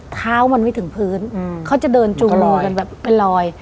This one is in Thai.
เท้ามันไม่ถึงพื้นเขาจะเดินจูงลอยกันแบบเป็นรอย